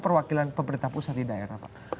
perwakilan pemerintah pusat di daerah pak